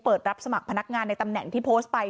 รับสมัครพนักงานในตำแหน่งที่โพสต์ไป